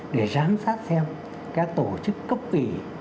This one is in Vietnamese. để giám sát xem các tổ chức cấp vị